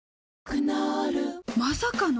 クノールまさかの！？